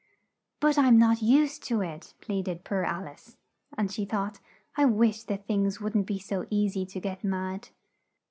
"But I'm not used to it!" plead ed poor Al ice. And she thought, "I wish the things wouldn't be so ea sy to get mad!"